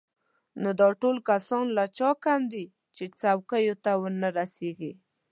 نو دا ټول کسان له چا کم دي چې چوکیو ته ونه رسېږي.